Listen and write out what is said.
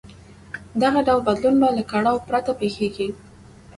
دغه ډول بدلون به له کړاو پرته پېښېږي.